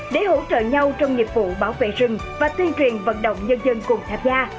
để hỗ trợ nhau trong nghiệp vụ bảo vệ rừng và tuyên truyền vận động nhân dân cùng tham gia